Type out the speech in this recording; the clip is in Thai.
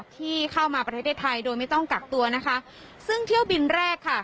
ที่เข้ามาประเทศไทยโดยไม่ต้องกักตัวนะคะซึ่งเที่ยวบินแรกค่ะ